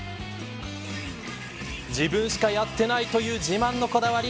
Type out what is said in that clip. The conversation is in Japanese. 自分しかやってないという自慢のこだわり。